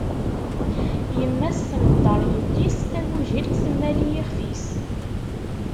Yemma-s tneddaṛ yelli-s, tagujilt temmal i yixef-is.